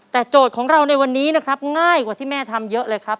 แต่โจทย์ของเราในวันนี้นะครับง่ายกว่าที่แม่ทำเยอะเลยครับ